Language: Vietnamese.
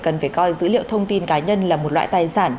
cần phải coi dữ liệu thông tin cá nhân là một loại tài sản